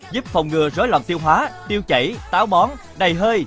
giúp phòng ngừa rối loạn tiêu hóa tiêu chảy táo bón đầy hơi